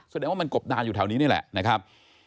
แสดงว่ามันกบดานอยู่แถวนี้นี่แหละนะครับ